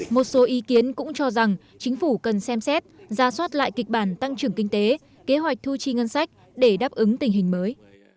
một số ý kiến cũng cho rằng chính phủ cần xem xét ra soát lại kịch bản tăng trưởng kinh tế kế hoạch thu chi ngân sách để đáp ứng tình hình mới